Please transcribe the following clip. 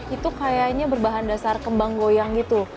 itu kayaknya berbahan dasar kembang goyang gitu